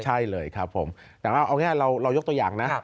ใช่เลยครับผมแต่เอายกตัวอย่างนะ